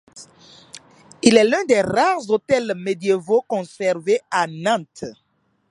Il est l'un des rares hôtels médiévaux conservés à Nantes.